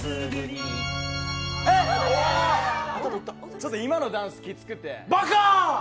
ちょっと今のダンスきつくてバカ！